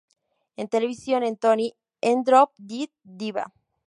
En televisión en "Tony" en Drop Dead Diva.